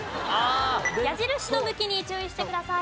矢印の向きに注意してください。